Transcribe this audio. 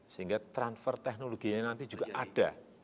sehingga transfer teknologinya nanti juga ada